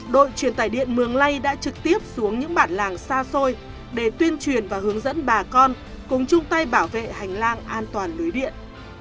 đội truyền tải điện mường lây đã trực tiếp xuống những bản làng xa xôi để tuyên truyền và hướng dẫn bà con cùng chung tay bảo vệ hành lang an toàn lưới điện